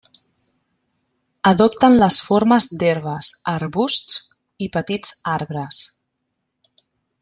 Adopten les formes d'herbes, arbusts i petits arbres.